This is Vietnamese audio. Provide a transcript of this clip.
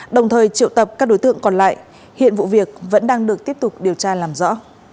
đồng thời triệu tập các đối tượng còn lại hiện vụ việc vẫn đang được tiếp tục điều tra làm rõ